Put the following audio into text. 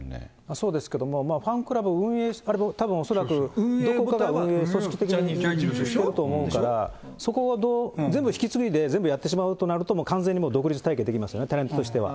そうですけども、ファンクラブを運営、たぶんおそらく運営母体は、組織的なもの、ジャニーズがしていると思いますから、そこを全部引き継いで、全部やってしまうとなると完全に独立体系できますよね、タレントとしては。